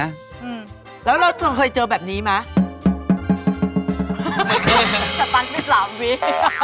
คุณเลือกเก่ามาท้องที่